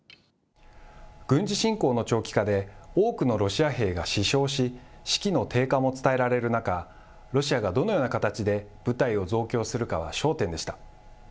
軍事侵攻の長期化で、多くのロシア兵が死傷し、士気の低下も伝えられる中、ロシアがどのような形で部隊を増強するかは焦点でした。